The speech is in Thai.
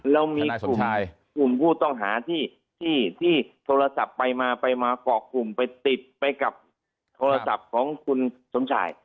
แล้วมีคุณคู่ต้องหาที่ที่โทรศัพท์ไปมาไปมาเกาะกลุ่มไปติดไปกับโทรศัพท์ของคุณสมชาย